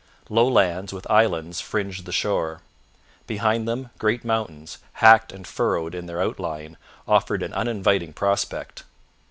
Low lands with islands fringed the shore. Behind them great mountains, hacked and furrowed in their outline, offered an uninviting prospect.